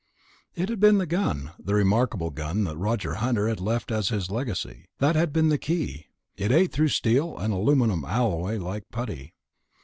It had been the gun ... the remarkable gun that Roger Hunter had left as his legacy ... that had been the key. It ate through steel and aluminum alloy like putty.